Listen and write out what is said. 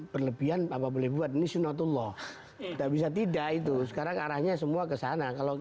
perlebihan apa boleh buat nih notuloh tidak bisa tidak itu sekarang arahnya semua ke sana kalau